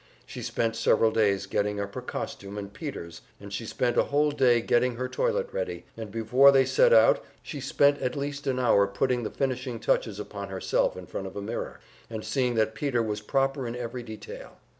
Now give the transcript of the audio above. She spent several days getting up her costume and Peter's, and she spent a whole day getting her toilet ready, and before they set out she spent at least an hour putting the finishing touches upon herself in front of a mirror, and seeing that Peter was proper in every detail.